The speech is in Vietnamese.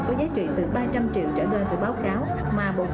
có giá trị từ ba trăm linh triệu trở lên từ báo cáo